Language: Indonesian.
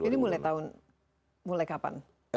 ini mulai tahun mulai kapan